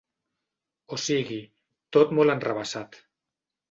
O sigui, tot molt enrevessat.